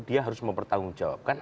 dia harus mempertanggungjawabkan